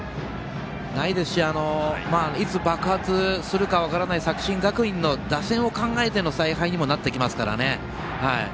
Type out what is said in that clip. ないですしいつ爆発するか分からない作新学院の打線を考えての采配にもなってきますからね。